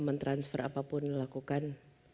mentransfer apapun lo lakukan